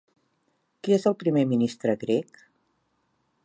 Qui és el primer ministre grec?